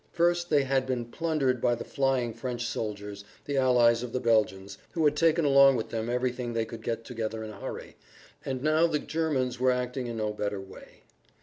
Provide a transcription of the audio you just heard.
First they had been plundered by the flying French soldiers, the allies of the Belgians, who had taken along with them everything they could get together in a hurry, and now the Germans were acting in no better way.